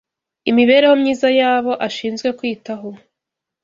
imibereho myiza y’abo ashinzwe kwitaho